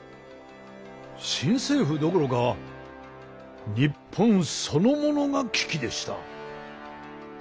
新政府どころか日本そのものが危機でした。